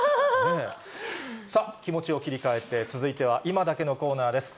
さあ、気持ちを切り替えて、続いては、いまダケッのコーナーです。